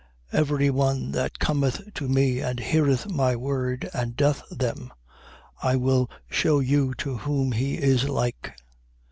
6:47. Every one that cometh to me and heareth my words and doth them, I will shew you to whom he is like.